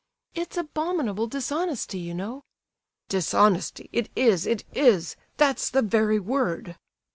"It's abominable dishonesty, you know!" "Dishonesty—it is, it is! That's the very word!"